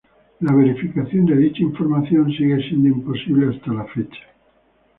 La verificación de dicha información sigue siendo imposible hasta la fecha.